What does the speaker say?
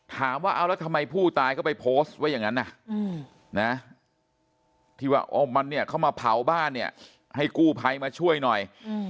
ถามว่าเอาแล้วทำไมผู้ตายเขาไปโพสต์ไว้อย่างนั้นนะที่ว่ามันเนี่ยเขามาเผาบ้านเนี่ยให้กู้ภัยมาช่วยหน่อย